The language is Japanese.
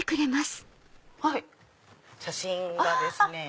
写真がですね